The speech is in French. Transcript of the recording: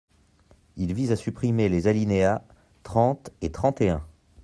Il vise à supprimer les alinéas trente et trente et un.